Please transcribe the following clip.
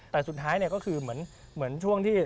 แต่สุดท้ายก็คือเหมือนช่วงที่